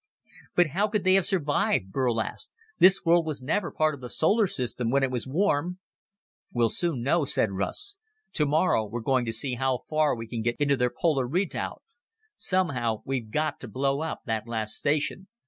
"But how could they have survived?" Burl asked. "This world was never part of the solar system when it was warm." "We'll soon know," said Russ. "Tomorrow we're going to see how far we can get into their polar redoubt. Somehow we've got to blow up that last station."